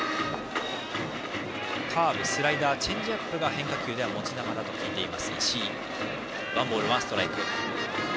カーブ、スライダーチェンジアップが変化球では持ち球だという石井。